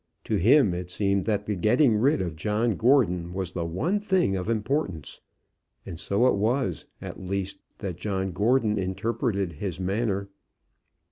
To him it seemed that the getting rid of John Gordon was the one thing of importance. So it was, at least, that John Gordon interpreted his manner.